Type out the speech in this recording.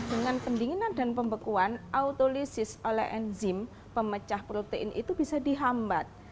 dengan pendinginan dan pembekuan autolisis oleh enzim pemecah protein itu bisa dihambat